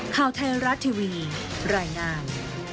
ข่าวไทยรัฐทีวีรายงาน